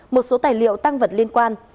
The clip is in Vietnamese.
một số tài liệu tăng vật liên quan